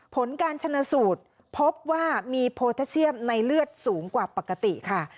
ผลการชนะสูตรพบว่ามีโพแทสเซียมในเลือดสูงกว่าปกติค่ะ